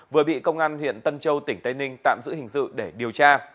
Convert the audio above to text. vừa bị công an huyện tân châu tỉnh tây ninh tạm giữ hình sự để điều tra